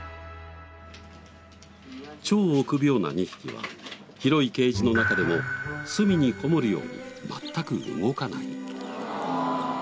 超臆病な２匹は広いケージの中でも隅にこもるように全く動かない。